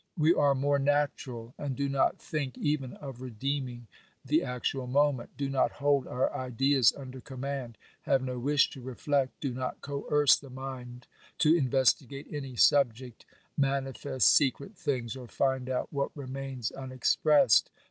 We are more natural, and do not think even of redeeming the actual moment, do not hold our ideas under command, have no wish to reflect, do not coerce the mind to investigate any subject, manifest secret things, or find out what remains unexpressed.